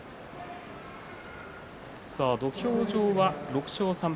土俵上は６勝３敗